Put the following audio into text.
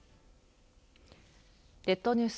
列島ニュース